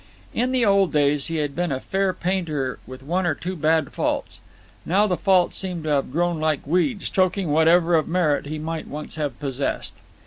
In the old days he had been a fair painter with one or two bad faults. Now the faults seemed to have grown like weeds, choking whatever of merit he might once have possessed.